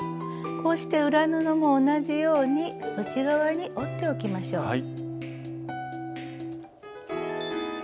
こうして裏布も同じように内側に折っておきましょう。